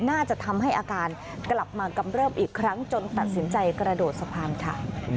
น่าจะทำให้อาการกลับมากำเริบอีกครั้งจนตัดสินใจกระโดดสะพานค่ะ